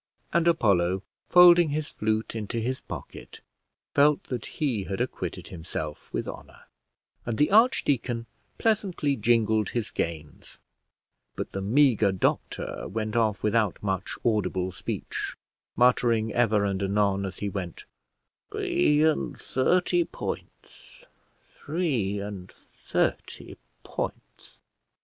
And Apollo, folding his flute into his pocket, felt that he had acquitted himself with honour; and the archdeacon pleasantly jingled his gains; but the meagre doctor went off without much audible speech, muttering ever and anon as he went, "three and thirty points!" "three and thirty points!"